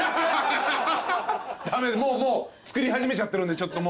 駄目もう作り始めちゃってるんで。